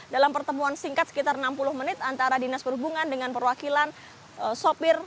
dalam pertemuan singkat sekitar enam puluh menit antara dinas perhubungan dengan perwakilan sopir